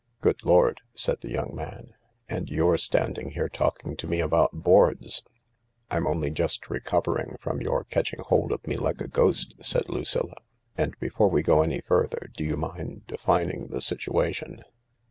" Good Lord I " said the young man. " And you're stand ing here talking to me about boards 1 "" I'm only just recovering from your catching hold of me like a ghost," said Lucilla. " And before we go any further, do you mind defining the situation